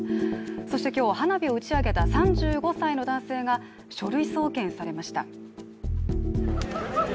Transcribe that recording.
そして今日、花火を打ち上げた３５歳の男性が書類送検されました。